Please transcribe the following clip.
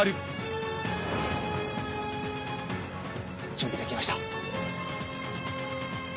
準備できました。